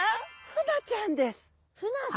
フナちゃん。